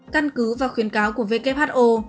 căn cứ và khuyến cáo của who